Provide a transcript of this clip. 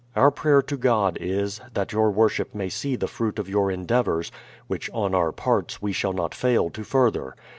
Our prayer to God is, that your Worship may see the fruit of your endeavours, which on our parts we shall not fail to further.